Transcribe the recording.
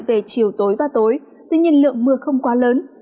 về chiều tối và tối tuy nhiên lượng mưa không quá lớn